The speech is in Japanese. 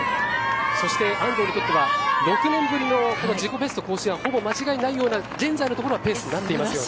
そして、安藤にとっては６年ぶりのこの自己ベスト更新はほぼ間違いないような現在のところはペースになっていますよね。